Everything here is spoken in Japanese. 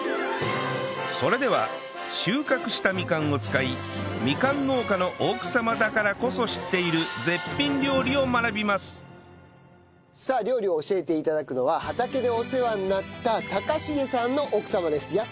それでは収穫したみかんを使いみかん農家の奥様だからこそ知っている絶品料理を学びますさあ料理を教えて頂くのは畑でお世話になった隆重さんの奥様です。